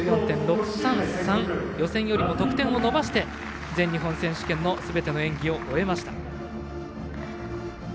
予選よりも得点を伸ばして全日本選手権のすべての演技を終えました。